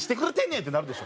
ってなるでしょ？